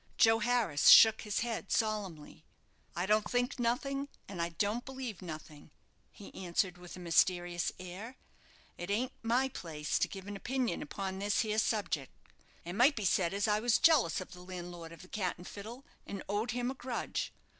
Joe Harris shook his head solemnly. "I don't think nothing, and I don't believe nothing," he answered, with a mysterious air. "It ain't my place to give an opinion upon this here subjick. It might be said as I was jealous of the landlord of the 'Cat and Fiddle,' and owed him a grudge.